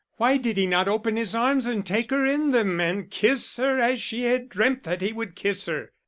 Why did he not open his arms and take her in them, and kiss her as she had dreamt that he would kiss her?